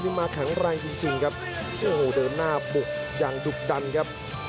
มีมาขังรังจริงครับโอ้โหเดินหน้าปุกอย่างดุบดันครับ